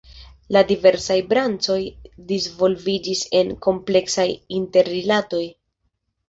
La diversaj branĉoj disvolviĝis en kompleksaj interrilatoj.